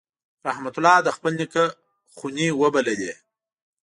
رحمت الله د خپل نیکه خونې وبللې.